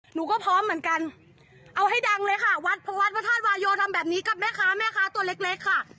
หนูก็พร้อมเหมือนกันเอาให้ดังเลยค่ะวัดพระธาตุวายโยทำแบบนี้กับแม่ค้าแม่ค้าตัวเล็กเล็กค่ะ